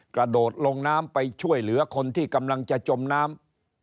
กระโดดลงน้ำไปช่วยเหลือคนที่กำลังจะจมน้ำ